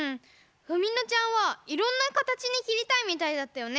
ふみのちゃんはいろんなカタチにきりたいみたいだったよね。